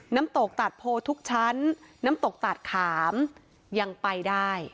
น้ำตกตาดโพทุกชั้นน้ำตกตาดขามยังไปได้